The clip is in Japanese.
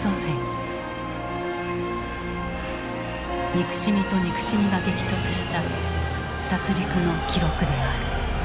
憎しみと憎しみが激突した殺戮の記録である。